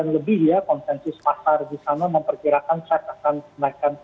sembilan puluh lebih ya konsensus pasar di sana memperkirakan saya akan menaikkan